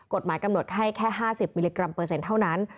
กฎหมายกำหนดให้แค่๕๐มิลลิกรัมเปอร์เซ็นต์เท่านั้น